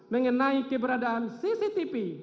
mengenai keberadaan cctv